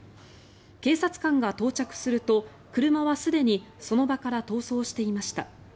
警察官が到着すると車はすでにその場から逃走していました。